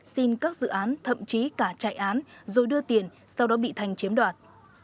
xin các dự án thậm chí cả chạy án rồi đưa tiền sau đó bị thanh chiếm đoạt